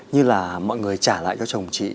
như là mọi người trả lại cho chồng chị